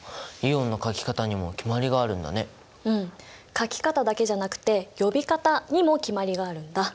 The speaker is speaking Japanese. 書き方だけじゃなくて呼び方にも決まりがあるんだ。